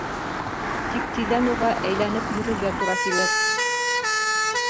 Тик тиҙҙән уға әйләнеп йөрөргә тура килер.